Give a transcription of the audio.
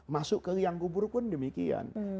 masuk ke liang kubur pun demikian